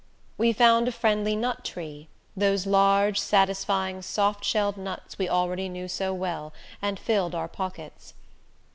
We found a friendly nut tree, those large, satisfying, soft shelled nuts we already knew so well, and filled our pockets.